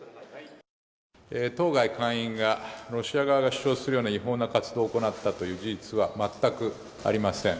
当該館員がロシア側が主張するような違法な活動を行ったという事実は全くありません。